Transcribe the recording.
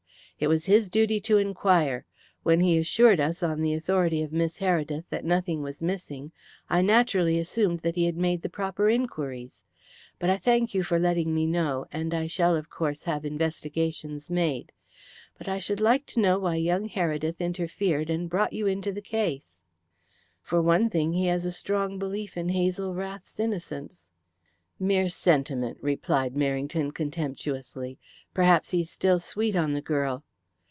"It was his duty to inquire. When he assured us, on the authority of Miss Heredith, that nothing was missing, I naturally assumed that he had made the proper inquiries. But I thank you for letting me know, and I shall, of course, have investigations made. But I should like to know why young Heredith interfered and brought you into the case?" "For one thing, he has a strong belief in Hazel Rath's innocence." "Mere sentiment," replied Merrington contemptuously. "Perhaps he's still sweet on the girl."